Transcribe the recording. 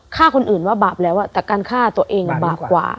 ฆ่าคนอื่นว่าบาปแล้วแต่การฆ่าตัวเองบาปกว่า